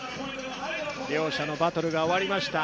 両者のバトルが終わりました。